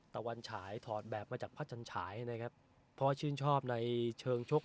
ตะวันฉายถอดแบบมาจากพระจันฉายนะครับเพราะชื่นชอบในเชิงชก